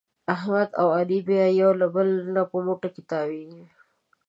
احمد او علي بیا یو بل ته په مټو کې تاوېږي.